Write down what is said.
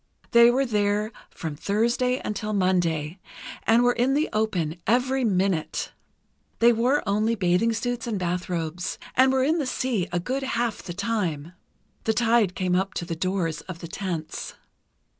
They were there from Thursday until Monday, and were in the open every minute. They wore only bathing suits and bathrobes, and were in the sea a good half the time. The tide came up to the doors of the tents.